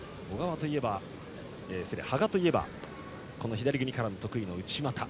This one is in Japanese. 羽賀といえば左組みからの得意の内股。